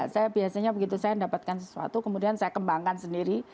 saya biasanya begitu saya mendapatkan sesuatu kemudian saya kembangkan sendiri